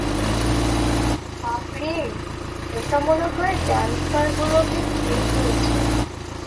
বাপরে, ওটা মনে হয় ড্যান্সারগুলোকে খেয়ে ফেলছে।